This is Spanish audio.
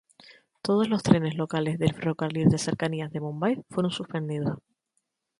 Todos los trenes locales del Ferrocarril de Cercanías de Bombay fueron suspendidos.